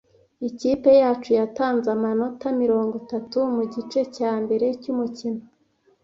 Ikipe yacu yatanze amanota mirongo itatu mugice cya mbere cyumukino.